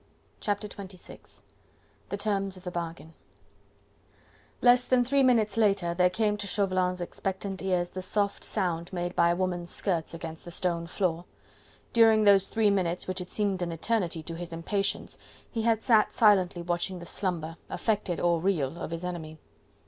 Chapter XXVI: The Terms of the Bargain Less than three minutes later, there came to Chauvelin's expectant ears the soft sound made by a woman's skirts against the stone floor. During those three minutes, which had seemed an eternity to his impatience, he had sat silently watching the slumber affected or real of his enemy.